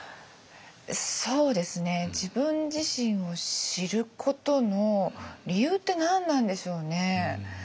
そうですね自分自身を知ることの理由って何なんでしょうね。